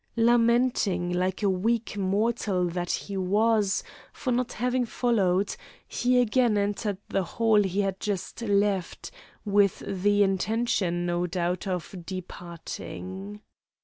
Lamenting, like a weak mortal that he was, for not having followed, he again entered the hall he had just left, with the intention, no doubt, of departing.